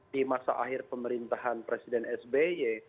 di masa akhir pemerintahan presiden sby